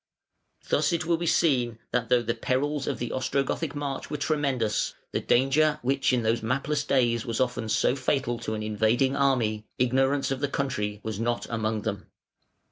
Thus it will be seen that though the perils of the Ostrogothic march were tremendous, the danger which in those mapless days was so often fatal to an invading army ignorance of the country was not among them.